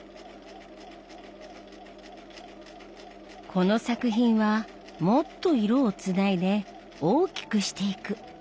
この作品はもっと色をつないで大きくしていく。